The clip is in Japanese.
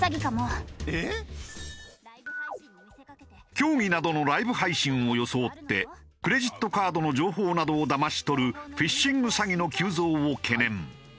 競技などのライブ配信を装ってクレジットカードの情報などをだまし取るフィッシング詐欺の急増を懸念。